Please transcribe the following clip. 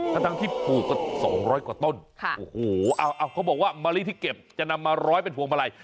ทั้งที่ปลูกก็๒๐๐กว่าต้นโอ้โหเขาบอกว่ามะลิที่เก็บจะนำมาร้อยเป็นพวงมาลัย